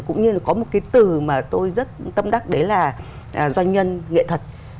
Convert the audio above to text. cũng như là có một cái từ mà tôi rất tâm đắc đấy là doanh nhân nghệ thuật